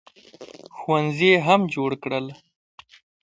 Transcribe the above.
ښوونځي یې هم جوړ کړل.